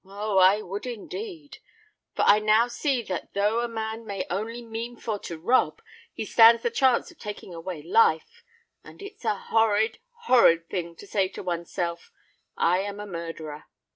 Oh! I would indeed! For I see now that though a man may only mean for to rob, he stands the chance of taking away life; and it's a horrid—horrid thing to say to one's self, '_I am a murderer!